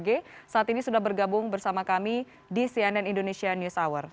grup p dua g saat ini sudah bergabung bersama kami di cnn indonesia news hour